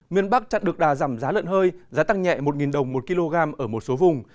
miền bắc chặn được đà giảm giá lợn hơi giá tăng nhẹ một đồng một kg ở một số vùng